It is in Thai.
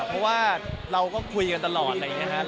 เพราะว่าเราก็คุยกันตลอดอะไรอย่างนี้ครับ